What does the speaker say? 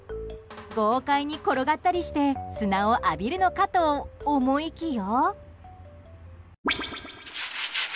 豪快に転がったりして砂を浴びるのかと思いきや。